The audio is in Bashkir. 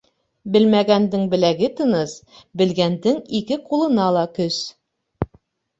Белмәгәндең беләге тыныс, белгәндең ике ҡулына ла көс.